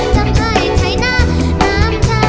ก็ห้อนเหลือจอยหน้าแห้งน้ำ